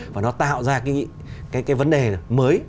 và nó tạo ra cái vấn đề mới